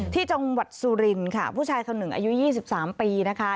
ที่จังหวัดสุรินค่ะผู้ชายคนหนึ่งอายุ๒๓ปีนะคะ